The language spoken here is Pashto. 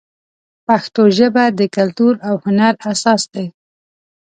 پښتو ژبه د کلتور او هنر اساس دی.